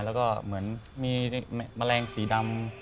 แล้วก็เหมือนมีแมลงสีดำ